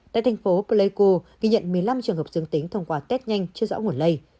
tại thành phố pleiku ghi nhận một mươi năm trường hợp dương tính thông qua test nhanh chưa rõ nguồn lây